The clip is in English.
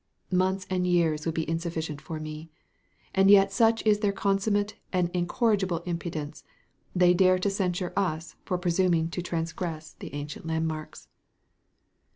Months and years would be insufficient for me. And yet such is their consummate and incorrigible impudence, they dare to censure us for presuming to transgress the ancient landmarks.